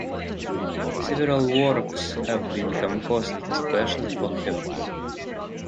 Several works have been composed especially for her.